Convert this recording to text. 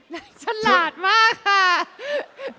แหมฉลาดมากค่ะ